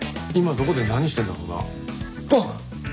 今どこで何してるんだろうな。